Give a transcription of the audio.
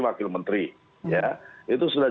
wakil menteri ya itu sudah